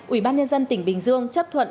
ủy ban nhân dân tỉnh bình dương chấp thuận